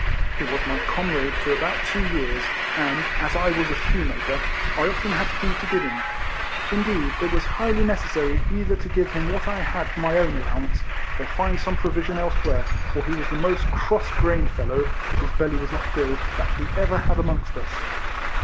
He was my comrade for about two years; and, as I was a shoemaker, I often had food to give him ; indeed it was highly necessary either to give him what I had for my own allowance, or find some provision elsewhere, for he was the most cross grained fellow, if his belly was not filled, that we ever had amongst us.